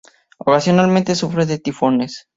Ocasionalmente sufre de tifones.